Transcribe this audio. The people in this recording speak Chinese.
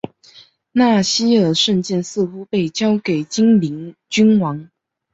纳希尔圣剑似乎被交给精灵君王。